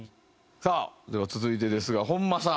さあでは続いてですが本間さん。